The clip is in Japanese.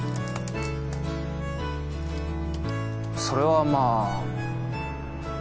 それはまぁ。